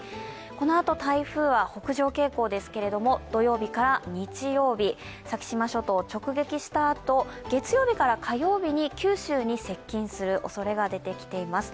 このあと台風は北上傾向ですけれども、土曜日から日曜日、先島諸島を直撃したあと月曜日から火曜日に九州に接近するおそれが出てきています。